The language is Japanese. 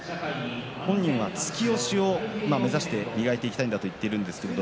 本人は突き押しを目指して磨いていきたいということを話しています。